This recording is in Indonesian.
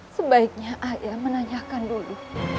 sebaiknya ayah menanyakan dulu